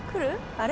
あれ？